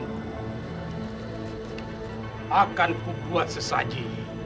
aku akan membuat sesaji